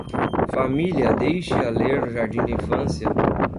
Família deixe-a ler o jardim de infância